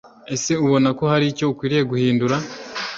Ese ubona ko hari icyo ukwiriye guhindura?